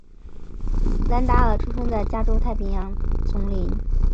兰达尔出生在加州太平洋丛林。